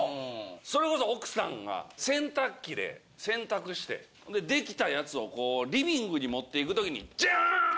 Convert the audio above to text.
それこそ奥さんが洗濯機で洗濯してで出来たやつをこうリビングに持っていくときにジャーン！